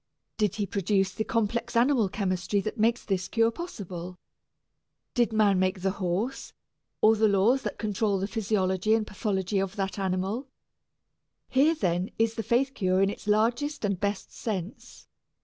Did he produce the complex animal chemistry that makes this cure possible? Did man make the horse, or the laws that control the physiology and pathology of that animal? Here, then, is faith cure in its largest and best sense.